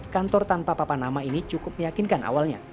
kantor tanpa papan nama ini cukup meyakinkan awalnya